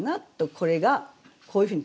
これがこういうふうに。